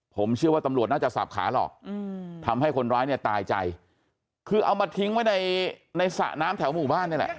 ผมเชื่อว่าตำรวจน่าจะสับขาหรอกทำให้คนร้ายเนี่ยตายใจคือเอามาทิ้งไว้ในสระน้ำแถวหมู่บ้านนี่แหละ